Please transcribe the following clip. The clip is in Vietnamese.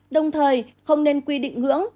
đồng thời không nên quy định ngưỡng